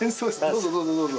どうぞどうぞどうぞ。